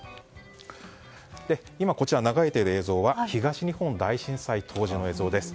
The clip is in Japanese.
今、流れている映像は東日本大震災当時の映像です。